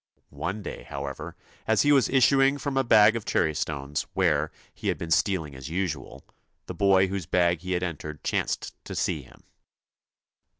One day, however, as he was issuing from a bag of cherrystones, where he had been stealing as usual, the boy whose bag he had entered chanced to see him.